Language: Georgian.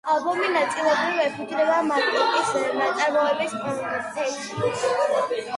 ალბომი ნაწილობრივ ეფუძნება მურკოკის ნაწარმოების კონცეფციას.